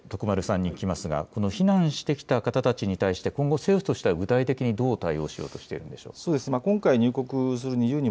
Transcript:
徳丸さんに聞きますが、避難してきた方たちに対して今後、政府としては具体的にどう対応しようとしているんでしょうか。